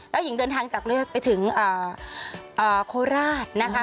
แล้วหญิงเดินทางจากเลือดไปถึงโคราชนะคะ